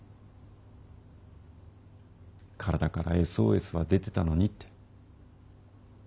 体からＳＯＳは出てたのにって。